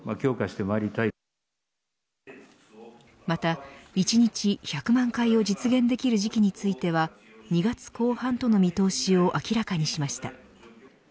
また、１日１００万回を実現できる時期については２月後半との見通しを明らかにしました。